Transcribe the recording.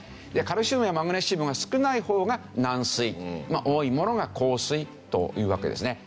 カルシウムやマグネシウムが少ない方が軟水多いものが硬水というわけですね。